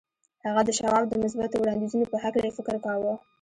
هغه د شواب د مثبتو وړانديزونو په هکله يې فکر کاوه.